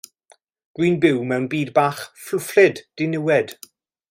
Dwi'n byw mewn byd bach fflwfflyd diniwed.